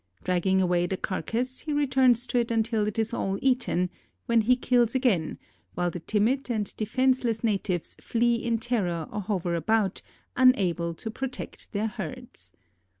Dragging away the carcass he returns to it until it is all eaten, when he kills again, while the timid and defenseless natives flee in terror or hover about, unable to protect their herds.